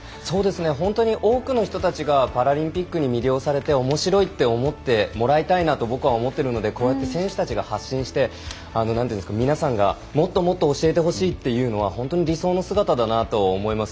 本当に多くの人たちがパラリンピックに魅了されておもしろいって思ってもらいたいなと僕は思っているのでこうやって選手たちが発信して、皆さんがもっともっと教えてほしいというのは本当に理想の姿だなと思います。